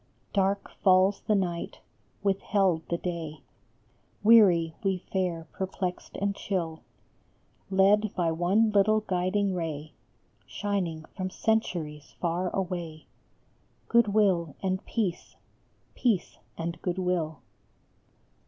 ARK falls the night, withheld the day, Weary we fare perplexed and chill, Led by one little guiding ray Shining from centuries far away, Good will and Peace : Peace and Good will.